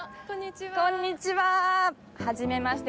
はじめまして。